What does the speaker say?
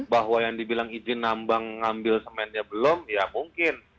bahwa yang dibilang izin nambang ngambil semennya belum ya mungkin